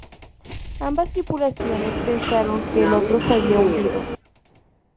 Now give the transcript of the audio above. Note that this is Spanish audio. Ambas tripulaciones pensaron que el otro se había hundido.